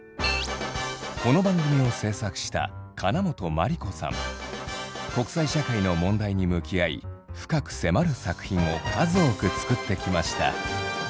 この番組を制作した国際社会の問題に向き合い深く迫る作品を数多く作ってきました。